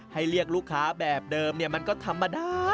เรียกลูกค้าแบบเดิมมันก็ธรรมดา